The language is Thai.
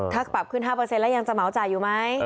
ถ้าปรับขึ้น๕แล้วยังจะเหมาจ่ายอยู่ไหม